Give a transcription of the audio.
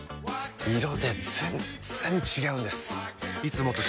色で全然違うんです！